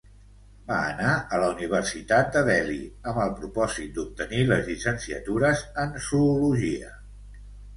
Va anar a la Universitat de Delhi amb el propòsit d'obtenir la llicenciatura en Zoologia.